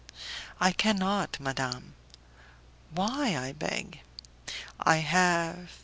"I cannot, Madame." "Why, I beg?" "I have